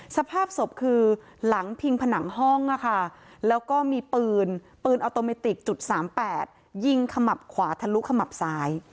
สภาพศพคือหลังพิงผนังห้องแล้วก็มีปืนปืนออโตเมติกจุด๓๘ยิงขมับขวาทะลุขมับซ้าย